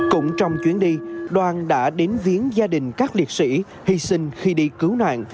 cũng trong chuyến đi đoàn đã đến viến gia đình các liệt sĩ hy sinh khi đi cứu nạn